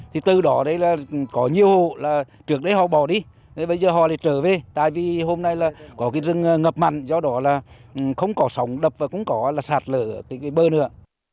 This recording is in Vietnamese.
thì từ đó đấy là có nhiều là trước đây họ bỏ đi bây giờ họ lại trở về tại vì hôm nay là có cái rừng ngập mặn do đó là không có sóng đập và cũng có là sạt lở cái bờ nữa